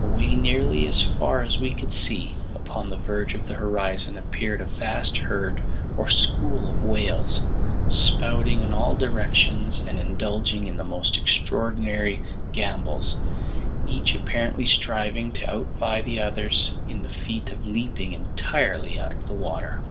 Away nearly as far as we could see, upon the verge of the horizon, appeared a vast herd or "school" of whales, spouting in all directions and indulging in the most extraordinary gambols, each apparently striving to outvie the others in the feat of leaping entirely out of the water.